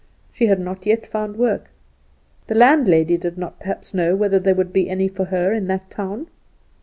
She had not yet found work. The landlady did not perhaps know whether there would be any for her in that town?